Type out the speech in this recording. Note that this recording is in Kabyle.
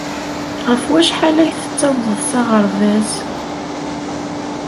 Ɣef wacḥal ay tettawḍeḍ s aɣerbaz?